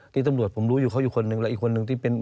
ที่ตำรวจผมรู้อยู่เขาอยู่คนหนึ่งแล้วอีกคนนึงที่เป็น